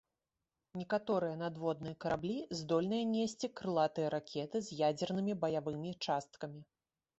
Некаторыя надводныя караблі здольныя несці крылатыя ракеты з ядзернымі баявымі часткамі.